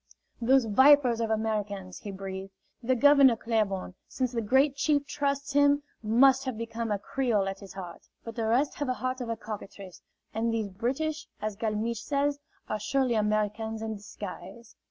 "Those vipers of Americans!" he breathed. "The Governor Claiborne, since the Great Chief trusts him, must have become a Creole at his heart. But the rest have the heart of a cockatrice. And these British, as Galmiche says, are surely Americans in disguise."